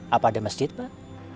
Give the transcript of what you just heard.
apa ada masjid pak